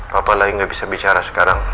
papa lagi gak bisa bicara sekarang